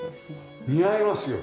似合いますよ